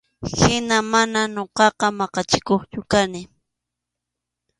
Hina mana ñuqaqa maqachikuqchu kani.